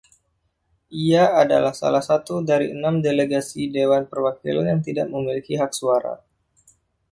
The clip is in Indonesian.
Ia adalah salah satu dari enam delegasi Dewan Perwakilan yang tidak memiliki hak suara.